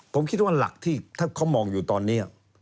ผมคิดว่าหลักที่ถ้าเขามองอยู่ตอนนี้